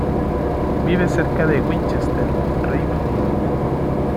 Vive cerca de Winchester, Reino Unido.